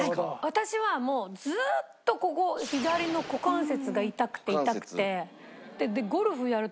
私はもうずっとここ左の股関節が痛くて痛くて。